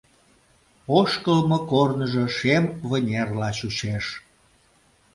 Ошкылмо корныжо шем вынерла чучеш.